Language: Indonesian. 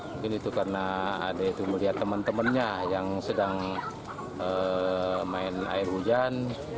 mungkin itu karena ada itu melihat teman temannya yang sedang main air hujan